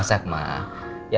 ya siapa tau kalau aku disana